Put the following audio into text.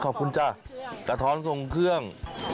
ขอบคุณจ้ะกะท้อนทรงเครื่อง